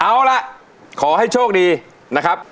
เอาล่ะขอให้โชคดีนะครับ